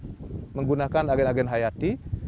kami menggunakan agen agen hayati